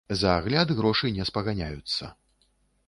За агляд грошы не спаганяюцца.